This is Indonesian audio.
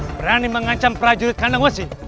berani mengancam prajurit kandang wesi